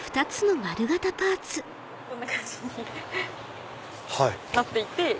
こんな感じになっていて。